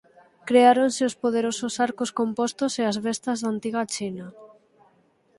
Creáronse os poderosos arcos compostos e as béstas da antiga China.